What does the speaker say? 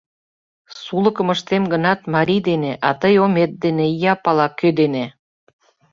Сулыкым ыштем гынат, марий дене, а тый омет дене, ия пала, кӧ дене.